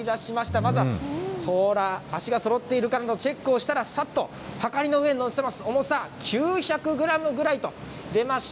まずは甲羅、足がそろっているかなどをチェックをしたら、さっと、はかりの上に乗せます。